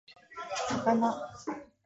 魚